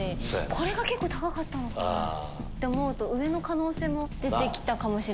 これが高かったのかなと思うと上の可能性も出てきたかも。